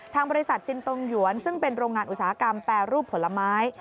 ทางบริษัทซินตรงหยวนซึ่งเป็นโรงงานอุตสาหกรรมแปรรูปผลไม้